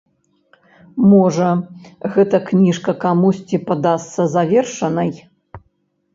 Можа, гэта кніжка камусьці падасца завершанай.